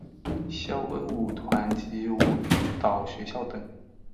萧恩舞团及舞蹈学校等。